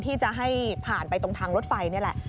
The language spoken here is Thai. ที่จะให้ผ่านไปตรงทางรถไฟนี่แหละ